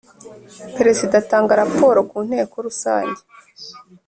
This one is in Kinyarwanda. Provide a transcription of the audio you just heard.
Perezida Atanga raporo ku Nteko Rusange